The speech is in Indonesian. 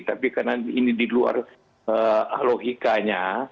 tapi karena ini di luar logikanya